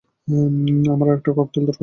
আমার আরেকটা ককটেল দরকার!